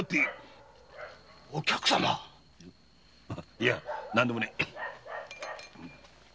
いや何でもねえ。